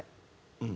うん。